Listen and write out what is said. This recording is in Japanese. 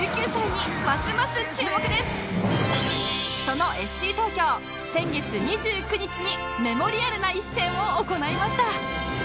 その ＦＣ 東京先月２９日にメモリアルな一戦を行いました